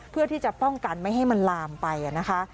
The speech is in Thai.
เพื่อที่จะป้องกันไม่ให้มันลามไปนะคะ